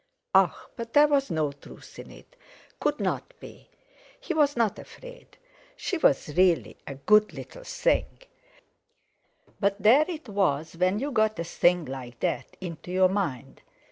Ah! but there was no truth in it—could not be. He was not afraid; she was really a good little thing. But there it was when you got a thing like that into your mind.